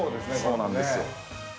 ◆そうなんですよ。